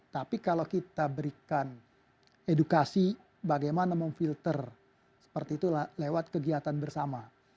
tapi kalau kita berikan edukasi bagaimana memfilter seperti itu lewat kegiatan bersama